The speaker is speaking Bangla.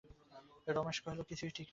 রমেশ কহিল, কিছুই ঠিক নাই।